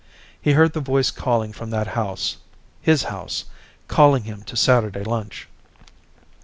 He heard the voice calling from that house, his house, calling him to Saturday lunch.